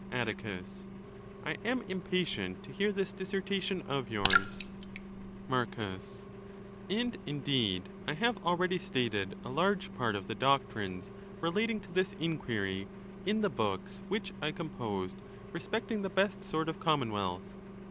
Atticus.—I am impatient to hear this dissertation of yours, Marcus.—And indeed, I have already stated a large part of the doctrines relating to this inquiry, in the books which 1 composed respecting the best sort of Commonwealth.